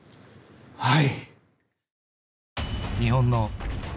はい！